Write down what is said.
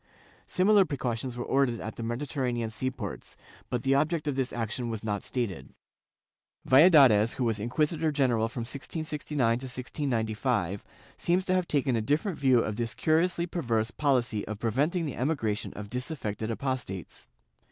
Similar pre cautions were ordered at the Mediterranean sea ports, but the object of this action was not stated.^ Valladares, who was inquisitor general from 1669 to 1695, seems to have taken a different view of this cm iously perverse policy of preventing the emigration of disaffected apostates.